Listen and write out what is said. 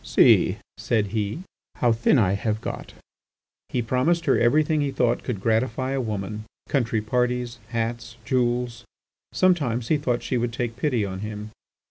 "See," said he, "how thin I have got." He promised her everything he thought could gratify a woman, country parties, hats, jewels. Sometimes he thought she would take pity on him.